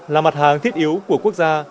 là mặt hàng thiết yếu của quốc gia